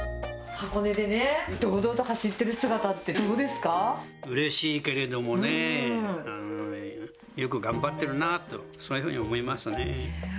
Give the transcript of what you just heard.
箱根でね、うれしいけれどもね、よく頑張ってるなと、そういうふうに思いますね。